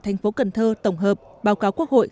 tp cần thơ tổng hợp báo cáo quốc hội